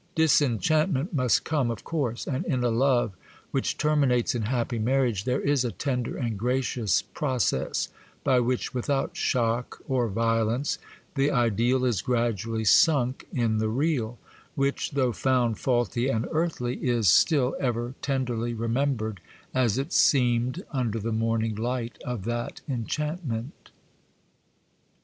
Disenchantment must come, of course; and in a love which terminates in happy marriage there is a tender and gracious process, by which, without shock or violence, the ideal is gradually sunk in the real, which, though found faulty and earthly, is still ever tenderly remembered as it seemed under the morning light of that enchantment.